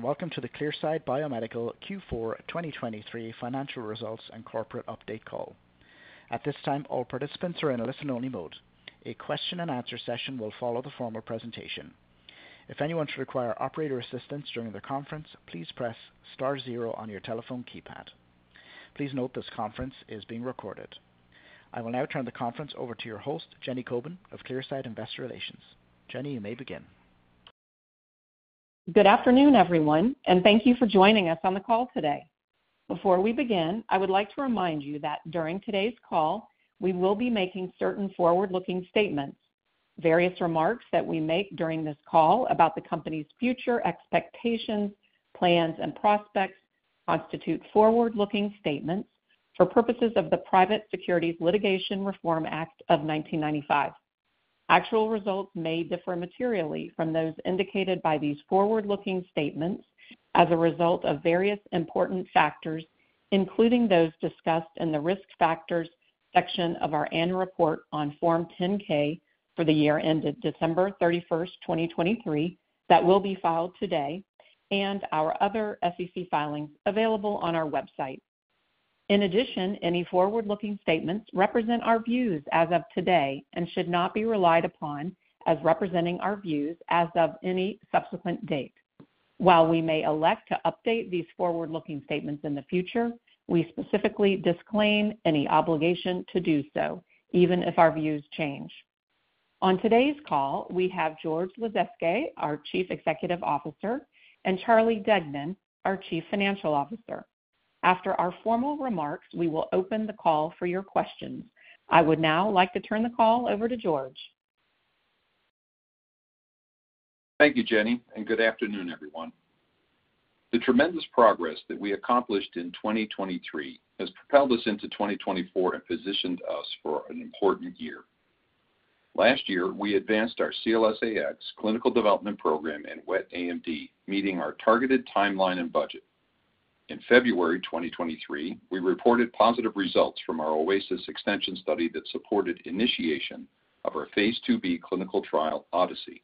Welcome to the Clearside Biomedical Q4 2023 Financial Results and Corporate Update Call. At this time, all participants are in a listen-only mode. A question-and-answer session will follow the formal presentation. If anyone should require operator assistance during the conference, please press star zero on your telephone keypad. Please note, this conference is being recorded. I will now turn the conference over to your host, Jenny Kobin of Clearside Investor Relations. Jenny, you may begin. Good afternoon, everyone, and thank you for joining us on the call today. Before we begin, I would like to remind you that during today's call, we will be making certain forward-looking statements. Various remarks that we make during this call about the company's future expectations, plans, and prospects constitute forward-looking statements for purposes of the Private Securities Litigation Reform Act of 1995. Actual results may differ materially from those indicated by these forward-looking statements as a result of various important factors, including those discussed in the Risk Factors section of our annual report on Form 10-K for the year ended December 31, 2023, that will be filed today, and our other SEC filings available on our website. In addition, any forward-looking statements represent our views as of today and should not be relied upon as representing our views as of any subsequent date. While we may elect to update these forward-looking statements in the future, we specifically disclaim any obligation to do so, even if our views change. On today's call, we have George Lasezkay, our Chief Executive Officer, and Charlie Deignan, our Chief Financial Officer. After our formal remarks, we will open the call for your questions. I would now like to turn the call over to George. Thank you, Jenny, and good afternoon, everyone. The tremendous progress that we accomplished in 2023 has propelled us into 2024 and positioned us for an important year. Last year, we advanced our CLS-AX clinical development program in wet AMD, meeting our targeted timeline and budget. In February 2023, we reported positive results from our OASIS extension study that supported initiation of our Phase 2b clinical trial, ODYSSEY.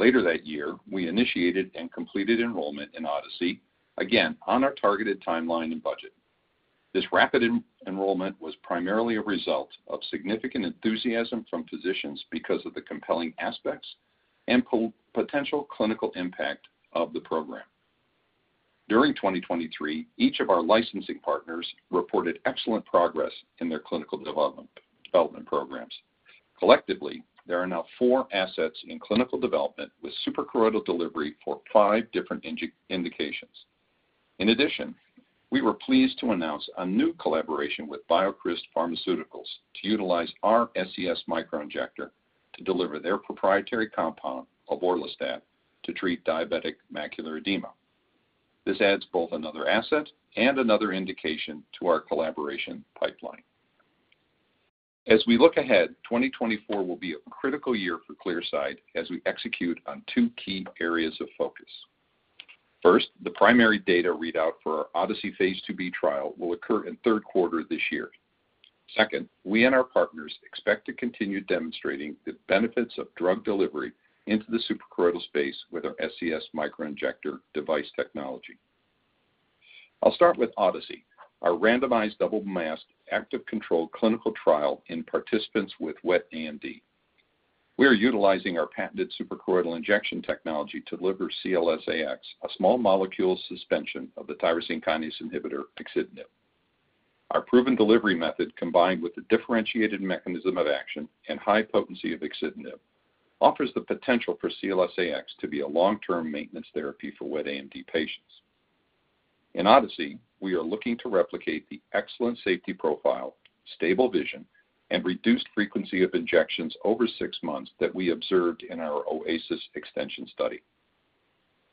Later that year, we initiated and completed enrollment in ODYSSEY, again, on our targeted timeline and budget. This rapid enrollment was primarily a result of significant enthusiasm from physicians because of the compelling aspects and potential clinical impact of the program. During 2023, each of our licensing partners reported excellent progress in their clinical development programs. Collectively, there are now four assets in clinical development with suprachoroidal delivery for five different indications. In addition, we were pleased to announce a new collaboration with BioCryst Pharmaceuticals to utilize our SCS Microinjector to deliver their proprietary compound, Orladeyo, to treat diabetic macular edema. This adds both another asset and another indication to our collaboration pipeline. As we look ahead, 2024 will be a critical year for Clearside as we execute on two key areas of focus. First, the primary data readout for our ODYSSEY Phase 2b trial will occur in third quarter this year. Second, we and our partners expect to continue demonstrating the benefits of drug delivery into the suprachoroidal space with our SCS Microinjector device technology. I'll start with ODYSSEY, our randomized, double-masked, active-controlled clinical trial in participants with wet AMD. We are utilizing our patented suprachoroidal injection technology to deliver CLS-AX, a small molecule suspension of the tyrosine kinase inhibitor axitinib. Our proven delivery method, combined with the differentiated mechanism of action and high potency of axitinib, offers the potential for CLS-AX to be a long-term maintenance therapy for wet AMD patients. In ODYSSEY, we are looking to replicate the excellent safety profile, stable vision, and reduced frequency of injections over six months that we observed in our OASIS extension study.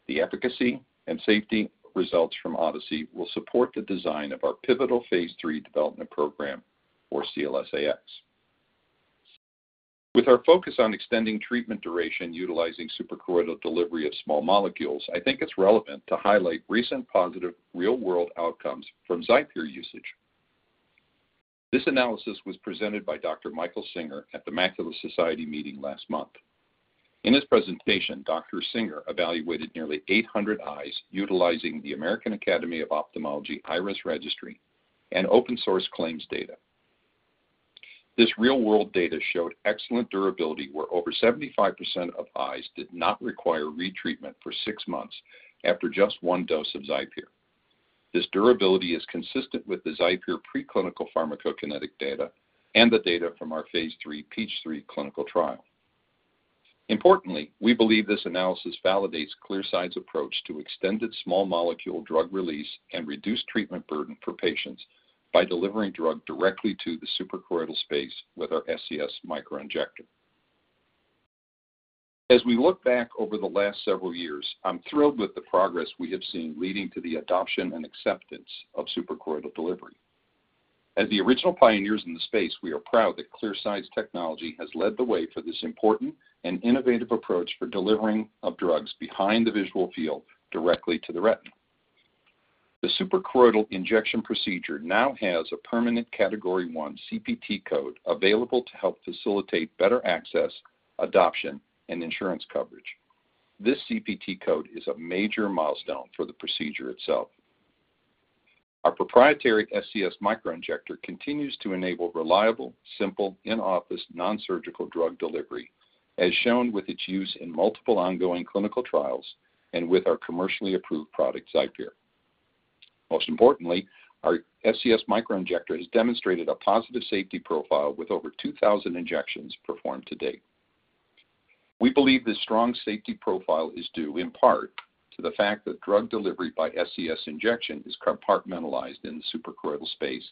The efficacy and safety results from ODYSSEY will support the design of our Phase II development program for CLS-AX. With our focus on extending treatment duration utilizing suprachoroidal delivery of small molecules, I think it's relevant to highlight recent positive real-world outcomes from XIPERE usage. This analysis was presented by Dr. Michael Singer at the Macular Society meeting last month. In his presentation, Dr. Singer evaluated nearly 800 eyes utilizing the American Academy of Ophthalmology IRIS Registry and open-source claims data. This real-world data showed excellent durability, where over 75% of eyes did not require retreatment for six months after just one dose of XIPERE. This durability is consistent with the XIPERE preclinical pharmacokinetic data and the data from Phase II PEACHTREE clinical trial. Importantly, we believe this analysis validates Clearside's approach to extended small-molecule drug release and reduced treatment burden for patients by delivering drug directly to the suprachoroidal space with our SCS Microinjector. As we look back over the last several years, I'm thrilled with the progress we have seen leading to the adoption and acceptance of suprachoroidal delivery. As the original pioneers in the space, we are proud that Clearside's technology has led the way for this important and innovative approach for delivering of drugs behind the visual field directly to the retina.... The suprachoroidal injection procedure now has a permanent Category I CPT code available to help facilitate better access, adoption, and insurance coverage. This CPT code is a major milestone for the procedure itself. Our proprietary SCS Microinjector continues to enable reliable, simple, in-office, nonsurgical drug delivery, as shown with its use in multiple ongoing clinical trials and with our commercially approved product, XIPERE. Most importantly, our SCS Microinjector has demonstrated a positive safety profile with over 2,000 injections performed to date. We believe this strong safety profile is due in part to the fact that drug delivery by SCS injection is compartmentalized in the suprachoroidal space,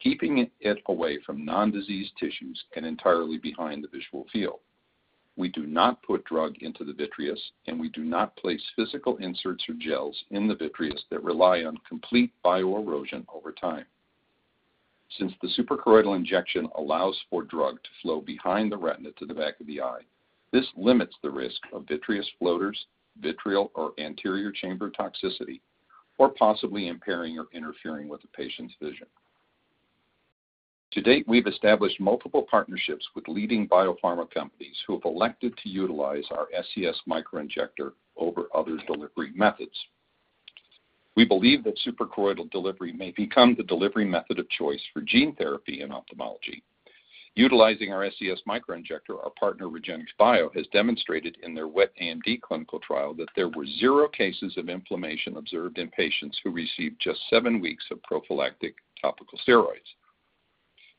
keeping it away from non-diseased tissues and entirely behind the visual field. We do not put drug into the vitreous, and we do not place physical inserts or gels in the vitreous that rely on complete bioerosion over time. Since the suprachoroidal injection allows for drug to flow behind the retina to the back of the eye, this limits the risk of vitreous floaters, vitreal or anterior chamber toxicity, or possibly impairing or interfering with the patient's vision. To date, we've established multiple partnerships with leading biopharma companies who have elected to utilize our SCS Microinjector over other delivery methods. We believe that suprachoroidal delivery may become the delivery method of choice for gene therapy in ophthalmology. Utilizing our SCS Microinjector, our partner, REGENXBIO, has demonstrated in their wet AMD clinical trial that there were zero cases of inflammation observed in patients who received just 7 weeks of prophylactic topical steroids.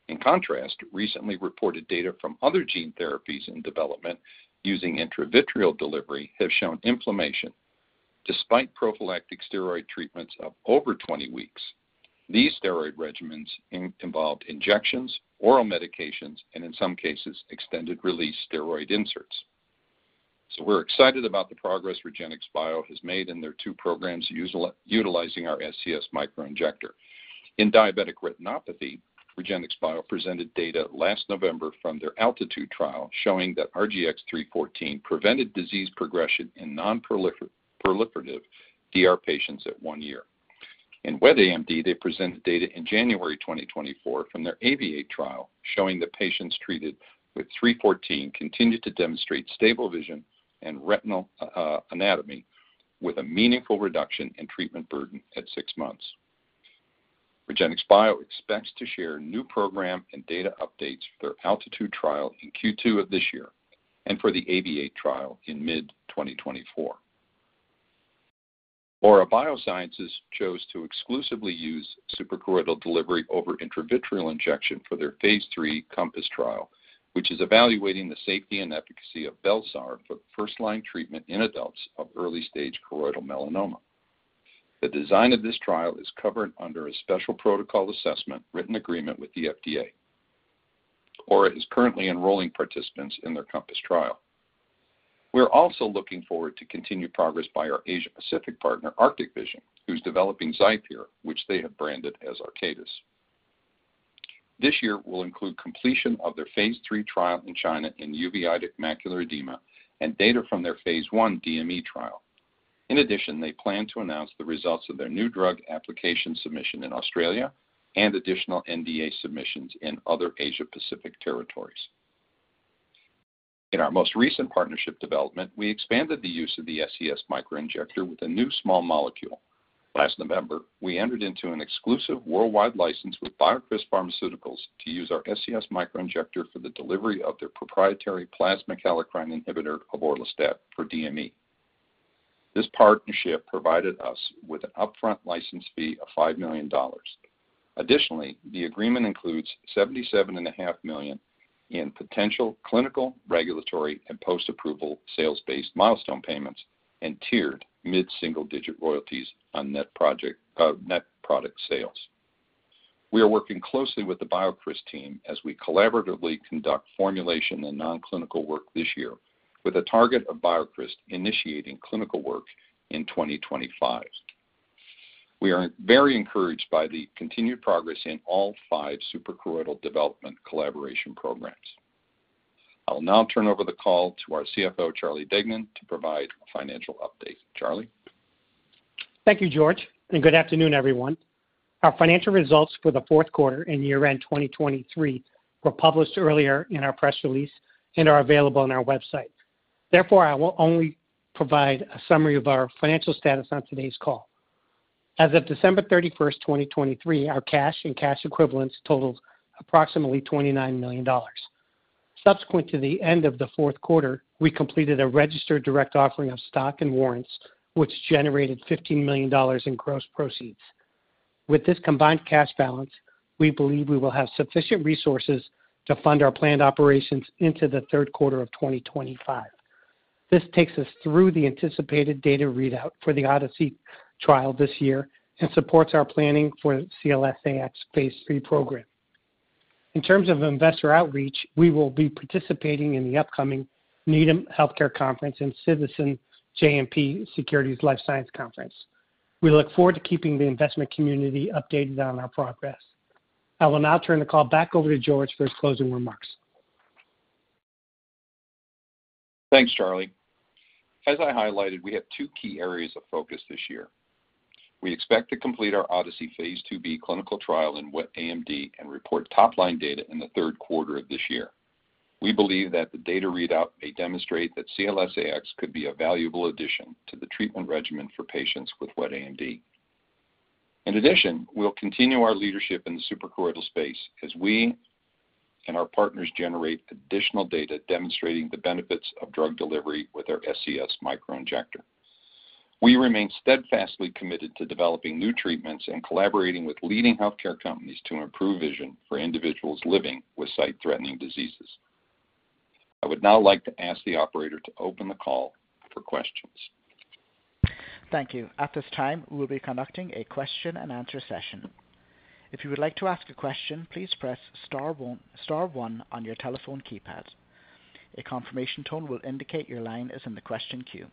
In contrast, recently reported data from other gene therapies in development using intravitreal delivery have shown inflammation despite prophylactic steroid treatments of over 20 weeks. These steroid regimens involved injections, oral medications, and in some cases, extended-release steroid inserts. So we're excited about the progress REGENXBIO has made in their two programs utilizing our SCS Microinjector. In diabetic retinopathy, REGENXBIO presented data last November from their ALTITUDE trial, showing that RGX-314 prevented disease progression in nonproliferative DR patients at one year. In wet AMD, they presented data in January 2024 from their AAVIATE trial, showing that patients treated with 314 continued to demonstrate stable vision and retinal anatomy, with a meaningful reduction in treatment burden at six months. REGENXBIO expects to share new program and data updates for their ALTITUDE trial in Q2 of this year and for the AAVIATE trial in mid-2024. Aura Biosciences chose to exclusively use suprachoroidal delivery over intravitreal injection for Phase II COMPASS trial, which is evaluating the safety and efficacy of belzupacap for first-line treatment in adults of early-stage choroidal melanoma. The design of this trial is covered under a special protocol assessment, written agreement with the FDA. Aura is currently enrolling participants in their COMPASS trial. We are also looking forward to continued progress by our Asia Pacific partner, Arctic Vision, who's developing XIPERE, which they have branded as Arcatus. This year will include completion of Phase II trial in China in uveitic macular edema and data from their Phase I DME trial. In addition, they plan to announce the results of their new drug application submission in Australia and additional NDA submissions in other Asia Pacific territories. In our most recent partnership development, we expanded the use of the SCS Microinjector with a new small molecule. Last November, we entered into an exclusive worldwide license with BioCryst Pharmaceuticals to use our SCS Microinjector for the delivery of their proprietary plasma kallikrein inhibitor, avoralstat, for DME. This partnership provided us with an upfront license fee of $5 million. Additionally, the agreement includes $77.5 million in potential clinical, regulatory, and post-approval sales-based milestone payments and tiered mid-single-digit royalties on net project, net product sales. We are working closely with the BioCryst team as we collaboratively conduct formulation and nonclinical work this year, with a target of BioCryst initiating clinical work in 2025. We are very encouraged by the continued progress in all five suprachoroidal development collaboration programs. I will now turn over the call to our CFO, Charlie Deignan, to provide a financial update. Charlie? Thank you, George, and good afternoon, everyone. Our financial results for the fourth quarter and year-end 2023 were published earlier in our press release and are available on our website. Therefore, I will only provide a summary of our financial status on today's call. As of December 31st, 2023, our cash and cash equivalents totaled approximately $29 million. Subsequent to the end of the fourth quarter, we completed a registered direct offering of stock and warrants, which generated $15 million in gross proceeds. With this combined cash balance, we believe we will have sufficient resources to fund our planned operations into the third quarter of 2025. This takes us through the anticipated data readout for the ODYSSEY trial this year and supports our planning for Phase II program. In terms of investor outreach, we will be participating in the upcoming Needham Healthcare Conference and JMP Securities Life Science Conference. We look forward to keeping the investment community updated on our progress. I will now turn the call back over to George for his closing remarks. Thanks, Charlie. As I highlighted, we have two key areas of focus this year. We expect to complete our ODYSSEY Phase 2b clinical trial in wet AMD and report top line data in the third quarter of this year. We believe that the data readout may demonstrate that CLS-AX could be a valuable addition to the treatment regimen for patients with wet AMD. In addition, we'll continue our leadership in the suprachoroidal space as we and our partners generate additional data demonstrating the benefits of drug delivery with our SCS microinjector. We remain steadfastly committed to developing new treatments and collaborating with leading healthcare companies to improve vision for individuals living with sight-threatening diseases. I would now like to ask the operator to open the call for questions. Thank you. At this time, we'll be conducting a question-and-answer session. If you would like to ask a question, please press star one, star one on your telephone keypad. A confirmation tone will indicate your line is in the question queue.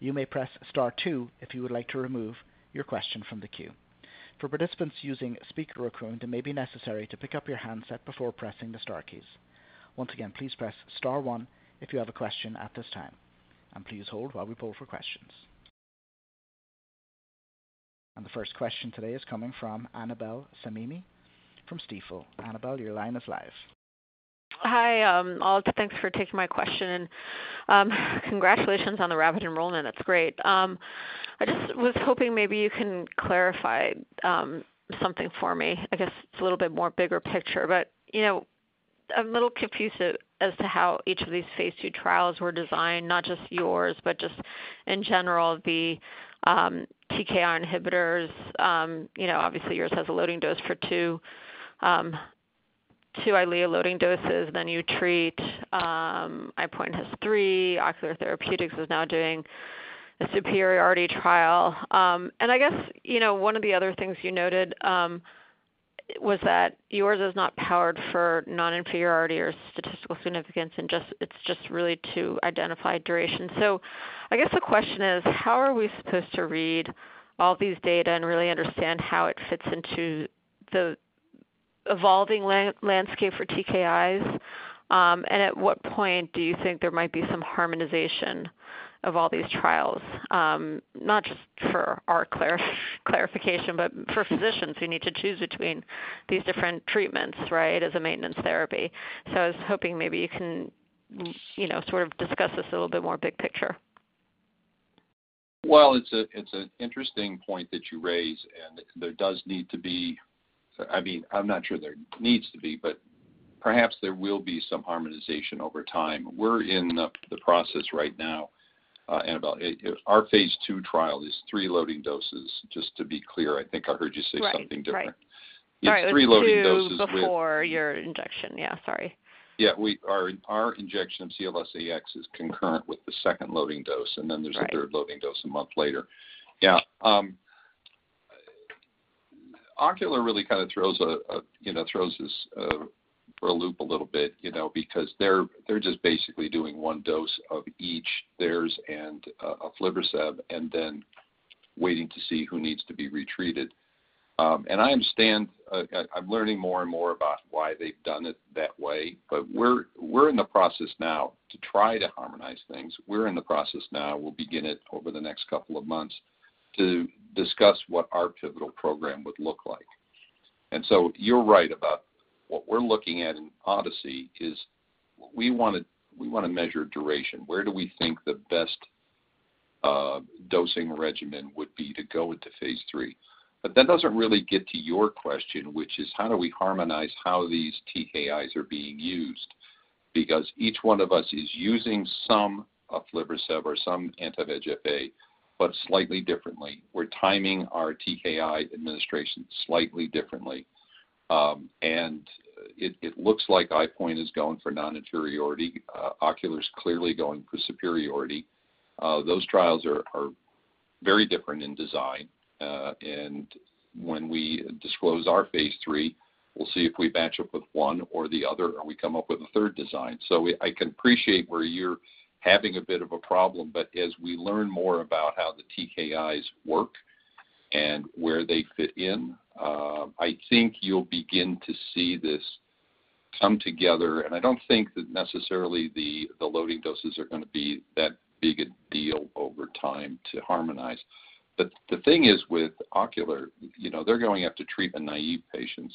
You may press star two if you would like to remove your question from the queue. For participants using speakerphone, it may be necessary to pick up your handset before pressing the star keys. Once again, please press star one if you have a question at this time, and please hold while we poll for questions. The first question today is coming from Annabel Samimy from Stifel. Annabel, your line is live. Hi, all, thanks for taking my question. Congratulations on the rapid enrollment. That's great. I just was hoping maybe you can clarify something for me. I guess it's a little bit more bigger picture, but, you know, I'm a little confused as to how each of these Phase III trials were designed, not just yours, but just in general, the TKI inhibitors. You know, obviously, yours has a loading dose for two two EYLEA loading doses, then you treat, EyePoint has three. Ocular Therapeutix is now doing a superiority trial. And I guess, you know, one of the other things you noted was that yours is not powered for non-inferiority or statistical significance, and just- it's just really to identify duration. So I guess the question is: How are we supposed to read all these data and really understand how it fits into the evolving landscape for TKIs? And at what point do you think there might be some harmonization of all these trials? Not just for our clarification, but for physicians who need to choose between these different treatments, right, as a maintenance therapy. So I was hoping maybe you can, you know, sort of discuss this a little bit more big picture. Well, it's an interesting point that you raise, and there does need to be... I mean, I'm not sure there needs to be, but perhaps there will be some harmonization over time. We're in the process right now, Annabel. Our Phase II trial is three loading doses, just to be clear. I think I heard you say something different. Right, right. It's 3 loading doses- Sorry, it was two before your injection. Yeah, sorry. Yeah, our injection of CLS-AX is concurrent with the second loading dose, and then there's- Right... a third loading dose a month later. Yeah, Ocular really kind of throws you know throws this for a loop a little bit, you know, because they're just basically doing one dose of each, theirs and aflibercept, and then waiting to see who needs to be retreated. I understand, I'm learning more and more about why they've done it that way. But we're in the process now to try to harmonize things. We're in the process now, we'll begin it over the next couple of months, to discuss what our pivotal program would look like. So you're right about what we're looking at in ODYSSEY is we want to, we want to measure duration. Where do we think the best dosing regimen would be to go into Phase III? But that doesn't really get to your question, which is how do we harmonize how these TKIs are being used? Because each one of us is using some aflibercept or some anti-VEGF-A, but slightly differently. We're timing our TKI administration slightly differently. It looks like EyePoint is going for non-inferiority. Ocular is clearly going for superiority. Those trials are very different in design. When we disclose Phase III, we'll see if we match up with one or the other or we come up with a third design. So I can appreciate where you're having a bit of a problem, but as we learn more about how the TKIs work and where they fit in, I think you'll begin to see this come together. I don't think that necessarily the loading doses are going to be that big a deal over time to harmonize. But the thing is, with Ocular, you know, they're going after treatment-naive patients,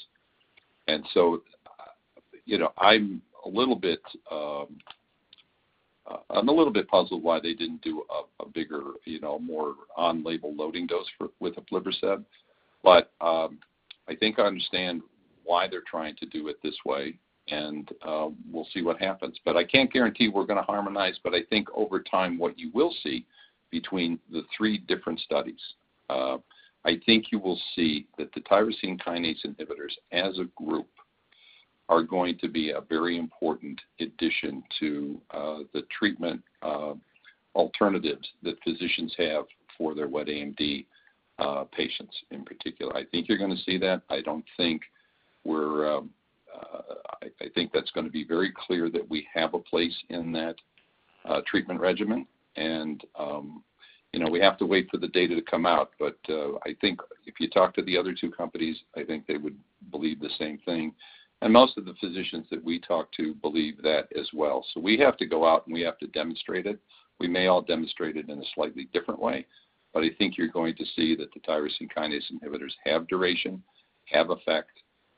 and so, you know, I'm a little bit puzzled why they didn't do a bigger, you know, more on-label loading dose for with aflibercept. But I think I understand why they're trying to do it this way, and we'll see what happens. But I can't guarantee we're going to harmonize, but I think over time, what you will see between the three different studies, I think you will see that the tyrosine kinase inhibitors, as a group, are going to be a very important addition to the treatment alternatives that physicians have for their wet AMD patients in particular. I think you're going to see that. I don't think we're. I think that's going to be very clear that we have a place in that treatment regimen. And you know, we have to wait for the data to come out. But I think if you talk to the other two companies, I think they would believe the same thing. And most of the physicians that we talk to believe that as well. So we have to go out, and we have to demonstrate it. We may all demonstrate it in a slightly different way, but I think you're going to see that the tyrosine kinase inhibitors have duration, have effect.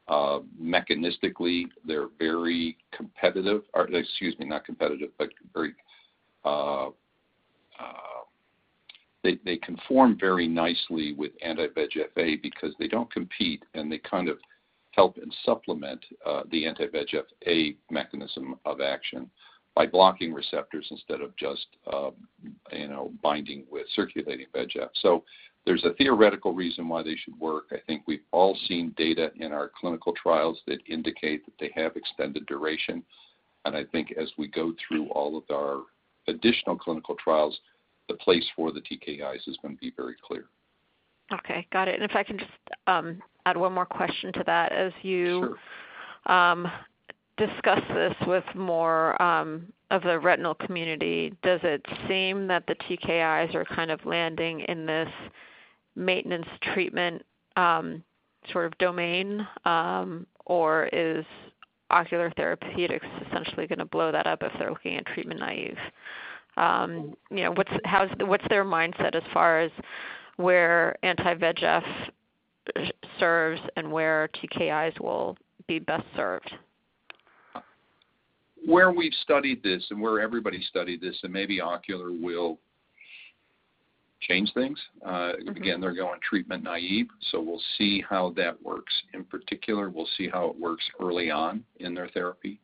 Mechanistically, they're very competitive, or excuse me, not competitive, but very, they conform very nicely with anti-VEGF-A because they don't compete, and they kind of help and supplement the anti-VEGF-A mechanism of action by blocking receptors instead of just, you know, binding with circulating VEGF. So there's a theoretical reason why they should work. I think we've all seen data in our clinical trials that indicate that they have extended duration. And I think as we go through all of our additional clinical trials, the place for the TKIs is going to be very clear. Okay, got it. And if I can just add one more question to that, as you- Sure. discuss this with more of the retinal community, does it seem that the TKIs are kind of landing in this maintenance treatment sort of domain? Or is Ocular Therapeutix essentially going to blow that up if they're looking at treatment-naive? You know, what's, how's, what's their mindset as far as where anti-VEGF serves and where TKIs will be best served? Where we've studied this and where everybody studied this, and maybe Ocular will change things. Again, they're going treatment naive, so we'll see how that works. In particular, we'll see how it works early on in their therapy,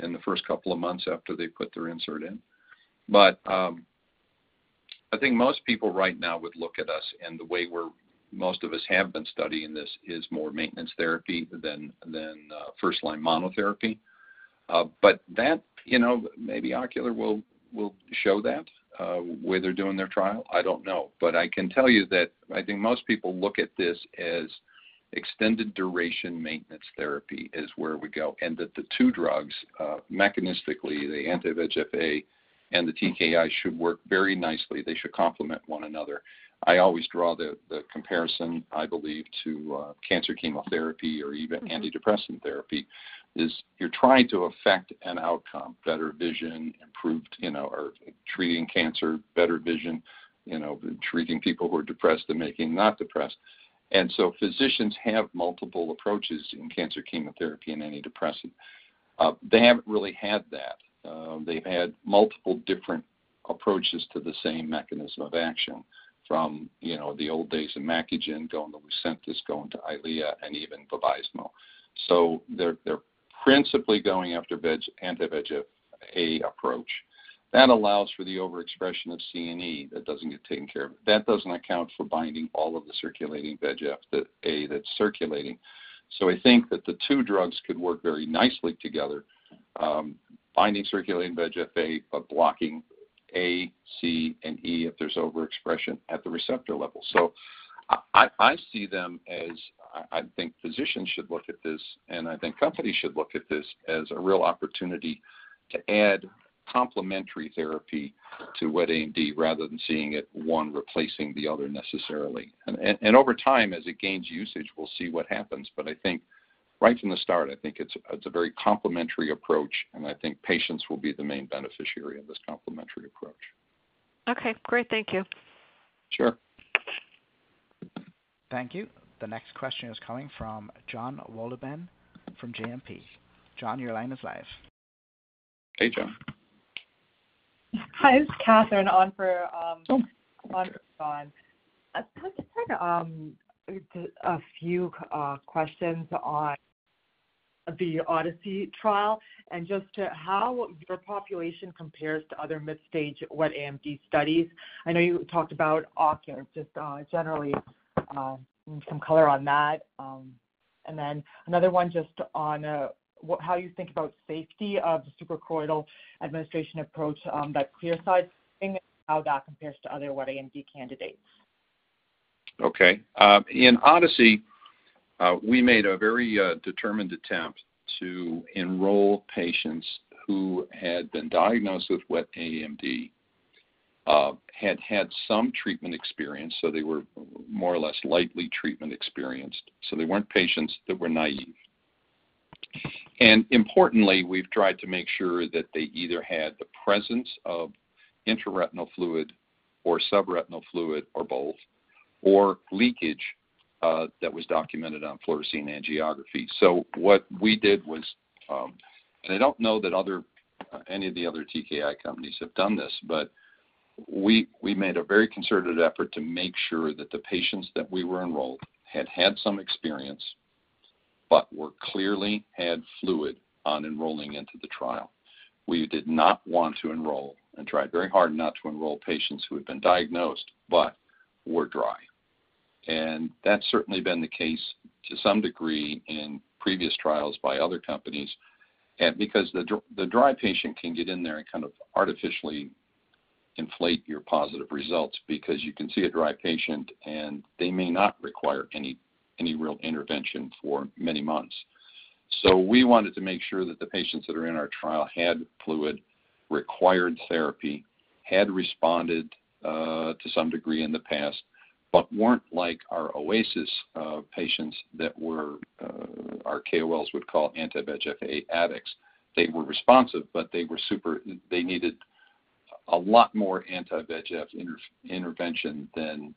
in the first couple of months after they put their insert in. But, I think most people right now would look at us, and most of us have been studying this, is more maintenance therapy than first-line monotherapy. But that, you know, maybe Ocular will show that, where they're doing their trial. I don't know. But I can tell you that I think most people look at this as extended duration maintenance therapy is where we go, and that the two drugs, mechanistically, the anti-VEGF-A and the TKI, should work very nicely. They should complement one another. I always draw the comparison, I believe, to cancer chemotherapy or even antidepressant therapy, is you're trying to affect an outcome, better vision, improved, you know, or treating cancer, better vision, you know, treating people who are depressed and making them not depressed. And so physicians have multiple approaches in cancer chemotherapy and antidepressant. They haven't really had that. They've had multiple different approaches to the same mechanism of action from, you know, the old days of Macugen, going to Lucentis, going to EYLEA and even Vabysmo. So they're principally going after anti-VEGF-A approach. That allows for the overexpression of C and D that doesn't get taken care of. That doesn't account for binding all of the circulating VEGF, that A, that's circulating. So I think that the two drugs could work very nicely together, binding circulating VEGF-A, but blocking A, C, and D if there's overexpression at the receptor level. So I see them as, I think physicians should look at this, and I think companies should look at this as a real opportunity to add complementary therapy to wet AMD, rather than seeing it one replacing the other necessarily. And over time, as it gains usage, we'll see what happens. But I think right from the start, I think it's a very complementary approach, and I think patients will be the main beneficiary of this complementary approach. Okay, great. Thank you. Sure. Thank you. The next question is coming from Jon Wolleben from JMP. John, your line is live. Hey, John. Hi, this is Catherine on for John. I'd like to take a few questions on the ODYSSEY trial and just to how your population compares to other mid-stage wet AMD studies. I know you talked about Ocular, just generally some color on that. And then another one just on how you think about safety of the suprachoroidal administration approach that Clearside, and how that compares to other wet AMD candidates. Okay. In ODYSSEY, we made a very determined attempt to enroll patients who had been diagnosed with wet AMD, had had some treatment experience, so they were more or less lightly treatment experienced, so they weren't patients that were naive. Importantly, we've tried to make sure that they either had the presence of intraretinal fluid or subretinal fluid or both, or leakage that was documented on fluorescein angiography. So what we did was, and I don't know that any of the other TKI companies have done this, but we made a very concerted effort to make sure that the patients that we were enrolled had had some experience but were clearly had fluid on enrolling into the trial. We did not want to enroll and tried very hard not to enroll patients who had been diagnosed but were dry. That's certainly been the case to some degree in previous trials by other companies. Because the dry patient can get in there and kind of artificially inflate your positive results, because you can see a dry patient, and they may not require any, any real intervention for many months. So we wanted to make sure that the patients that are in our trial had fluid, required therapy, had responded to some degree in the past, but weren't like our OASIS patients that were our KOLs would call anti-VEGF-A addicts. They were responsive, but they needed a lot more anti-VEGF inter-intervention than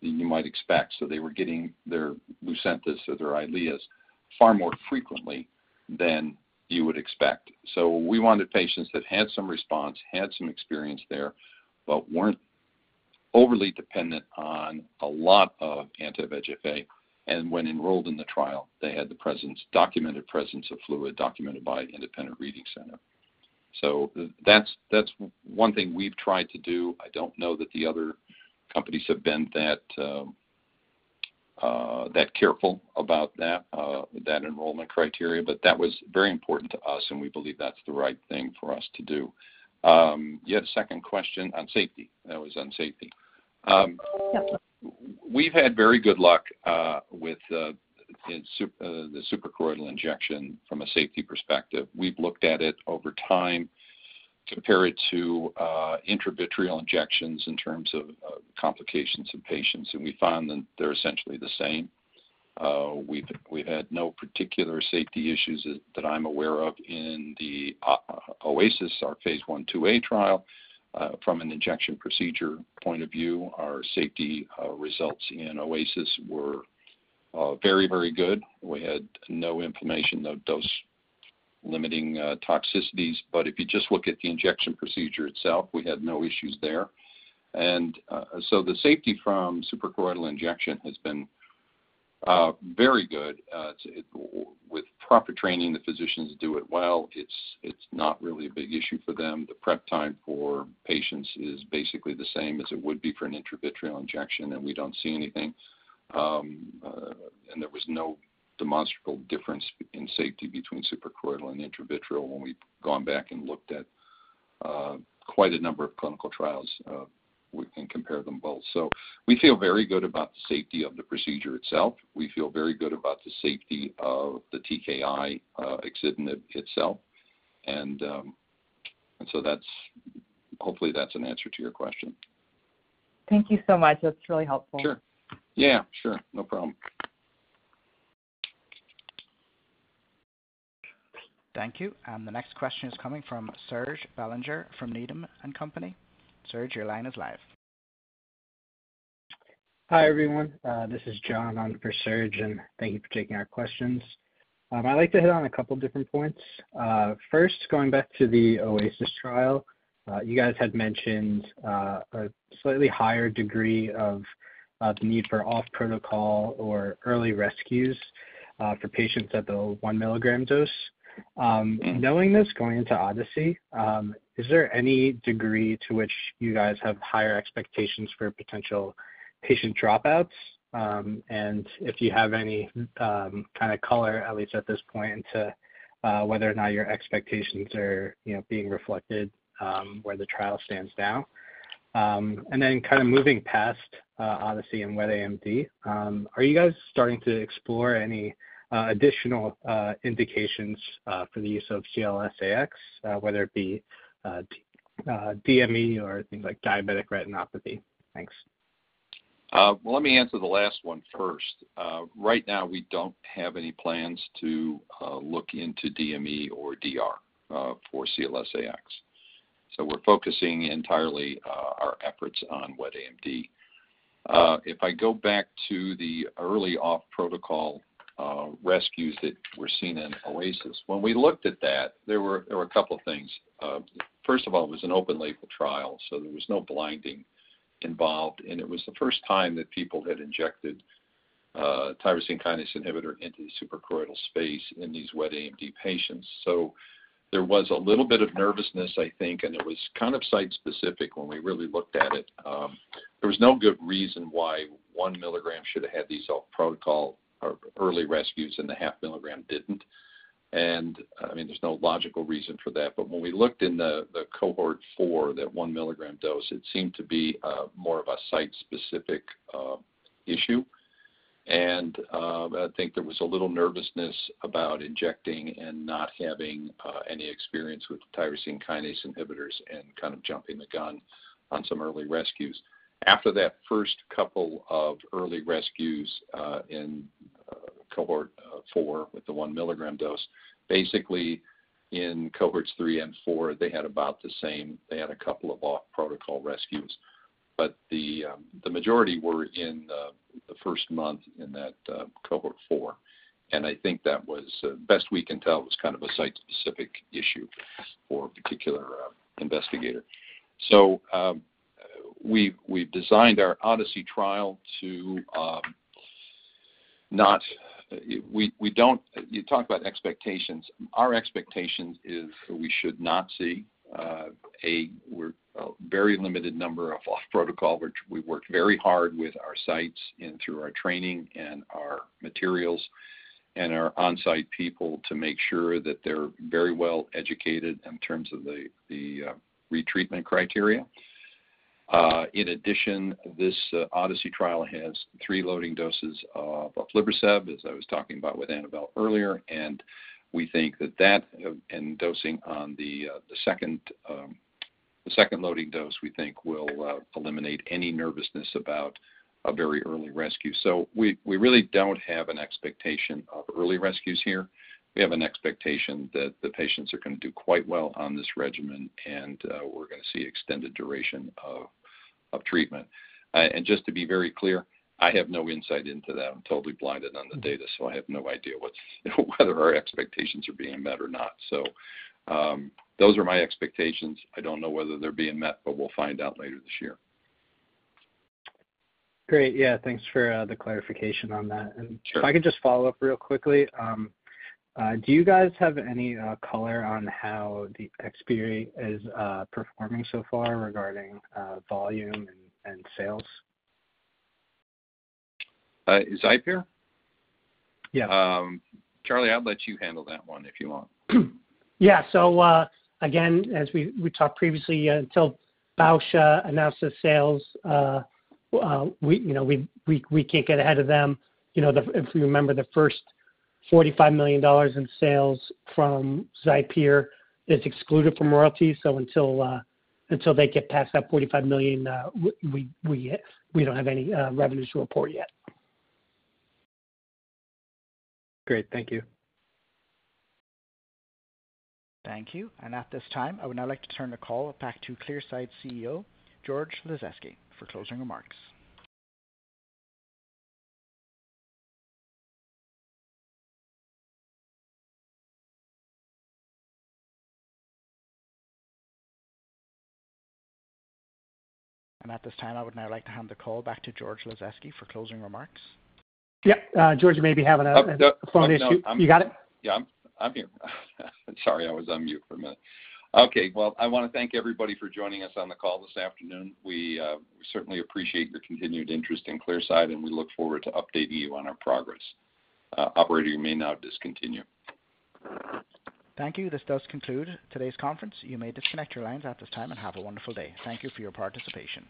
you might expect. So they were getting their Lucentis or their EYLEA far more frequently than you would expect. So we wanted patients that had some response, had some experience there, but weren't overly dependent on a lot of anti-VEGF-A, and when enrolled in the trial, they had the presence, documented presence of fluid, documented by an independent reading center. So that's, that's one thing we've tried to do. I don't know that the other companies have been that, that careful about that, that enrollment criteria, but that was very important to us, and we believe that's the right thing for us to do. You had a second question on safety. That was on safety. Yep. We've had very good luck with the suprachoroidal injection from a safety perspective. We've looked at it over time, compare it to intravitreal injections in terms of complications in patients, and we find that they're essentially the same. We've had no particular safety issues that I'm aware of in the OASIS, our Phase 1/2a trial. From an injection procedure point of view, our safety results in OASIS were very, very good. We had no inflammation, no dose limiting toxicities. But if you just look at the injection procedure itself, we had no issues there. And so the safety from suprachoroidal injection has been very good. With proper training, the physicians do it well. It's not really a big issue for them. The prep time for patients is basically the same as it would be for an intravitreal injection, and we don't see anything. And there was no demonstrable difference in safety between suprachoroidal and intravitreal when we've gone back and looked at quite a number of clinical trials, we can compare them both. So we feel very good about the safety of the procedure itself. We feel very good about the safety of the TKI, axitinib itself. And, and so that's hopefully that's an answer to your question. Thank you so much. That's really helpful. Sure. Yeah, sure. No problem. Thank you. The next question is coming from Serge Belanger, from Needham and Company. Serge, your line is live. Hi, everyone, this is John on for Serge, and thank you for taking our questions. I'd like to hit on a couple different points. First, going back to the OASIS trial, you guys had mentioned a slightly higher degree of the need for off protocol or early rescues for patients at the one milligram dose. Knowing this going into ODYSSEY, is there any degree to which you guys have higher expectations for potential patient dropouts? And if you have any kind of color, at least at this point, into whether or not your expectations are, you know, being reflected where the trial stands now. And then kind of moving past ODYSSEY and wet AMD, are you guys starting to explore any additional indications for the use of CLS-AX, whether it be DME or things like diabetic retinopathy? Thanks. Well, let me answer the last one first. Right now, we don't have any plans to look into DME or DR for CLS-AX. So we're focusing entirely our efforts on wet AMD. If I go back to the early off protocol rescues that were seen in OASIS, when we looked at that, there were a couple of things. First of all, it was an open label trial, so there was no blinding involved, and it was the first time that people had injected a tyrosine kinase inhibitor into the suprachoroidal space in these wet AMD patients. So there was a little bit of nervousness, I think, and it was kind of site-specific when we really looked at it. There was no good reason why one milligram should have had these off protocol or early rescues and the half milligram didn't. And, I mean, there's no logical reason for that. But when we looked in the cohort four, that one milligram dose, it seemed to be more of a site-specific issue. And I think there was a little nervousness about injecting and not having any experience with tyrosine kinase inhibitors and kind of jumping the gun on some early rescues. After that first couple of early rescues in cohort four with the one milligram dose, basically in cohorts three and four, they had about the same. They had a couple of off-protocol rescues, but the majority were in the first month in that cohort four. And I think that was, best we can tell, was kind of a site-specific issue for a particular investigator. So, we've designed our ODYSSEY trial to not—we don't—You talk about expectations. Our expectations is we should not see, a very limited number of off protocol, which we worked very hard with our sites and through our training and our materials and our on-site people, to make sure that they're very well educated in terms of the retreatment criteria. In addition, this ODYSSEY trial has three loading doses of aflibercept, as I was talking about with Annabel earlier, and we think that that and dosing on the second loading dose, we think will eliminate any nervousness about a very early rescue. So we really don't have an expectation of early rescues here. We have an expectation that the patients are going to do quite well on this regimen, and we're going to see extended duration of treatment. And just to be very clear, I have no insight into that. I'm totally blinded on the data, so I have no idea what's whether our expectations are being met or not. So, those are my expectations. I don't know whether they're being met, but we'll find out later this year. Great. Yeah, thanks for the clarification on that. Sure. If I could just follow up real quickly. Do you guys have any color on how the XIPERE is performing so far regarding volume and sales? Uh, Xipere? Yeah. Charlie, I'll let you handle that one if you want. Yeah. So, again, as we talked previously, until Bausch announces sales, we, you know, we can't get ahead of them. You know, the—if you remember, the first $45 million in sales from XIPERE is excluded from royalties. So until they get past that $45 million, we don't have any revenues to report yet. Great. Thank you. Thank you. And at this time, I would now like to turn the call back to Clearside CEO, George Lasezkay, for closing remarks. And at this time, I would now like to hand the call back to George Lasezkay for closing remarks. Yeah, George, you may be having a phone issue. Oh, no. You got it? Yeah, I'm here. Sorry, I was on mute for a minute. Okay, well, I want to thank everybody for joining us on the call this afternoon. We certainly appreciate your continued interest in Clearside, and we look forward to updating you on our progress. Operator, you may now discontinue. Thank you. This does conclude today's conference. You may disconnect your lines at this time and have a wonderful day. Thank you for your participation.